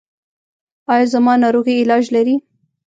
ایا زما ناروغي علاج لري؟